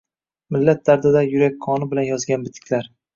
millat dardida yurak qoni bilan yozgan bitiklar